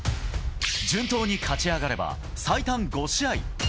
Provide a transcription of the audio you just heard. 順当に勝ち上がれば、最短５試合。